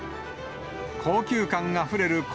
高級感あふれる